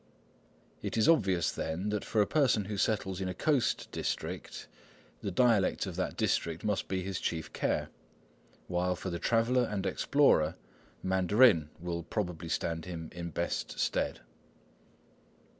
It is obvious, then, that for a person who settles in a coast district, the dialect of that district must be his chief care, while for the traveller and explorer Mandarin will probably stand him in best stead.